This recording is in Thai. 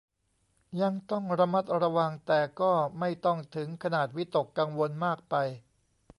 ยังต้องระมัดระวัง แต่ก็ไม่ต้องถึงขนาดวิตกกังวลมากไป